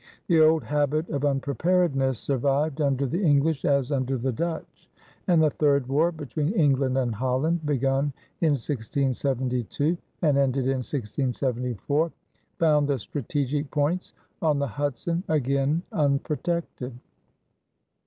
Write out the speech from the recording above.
The old habit of unpreparedness survived under the English as under the Dutch; and the third war between England and Holland, begun in 1672 and ended in 1674, found the strategic points on the Hudson again unprotected.